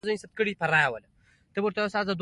چې هیڅ ګوند یې یوازې خپل نشي ګڼلای.